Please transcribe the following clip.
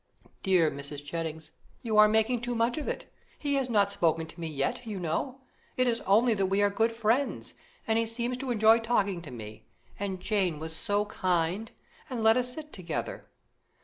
"Dear Mrs. Jennings, you are making too much of it; he has not spoken to me yet, you know: it is only that we are good friends, and he seems to enjoy talking to me, and Jane was so kind, and let us sit together."